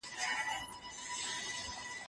ستونزي د ژوند لپاره فرصت دی.